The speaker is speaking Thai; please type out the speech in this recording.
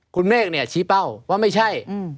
คุณเมฆเนี่ยชี้เป้าว่าไม่ใช่